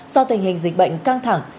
do tình hình dịch bệnh căng thẳng